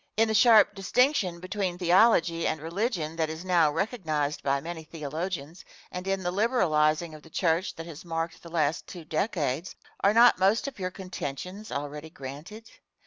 In the sharp distinction between theology and religion that is now recognized by many theologians, and in the liberalizing of the church that has marked the last two decades, are not most of your contentions already granted?